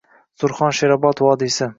Surxon-Sherobod vodiysi